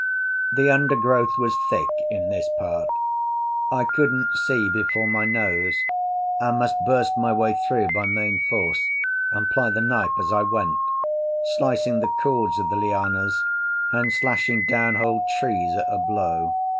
The undergrowth was thick in this part; I couldn't see before my nose, and must burst my way through by main force and ply the knife as I went, slicing the cords of the lianas and slashing down whole trees at a blow.